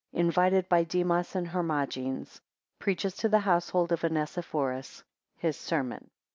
8 Invited by Demos and Hermogenes. 11 Preaches to the household of Onesiphorus. 12 His sermon.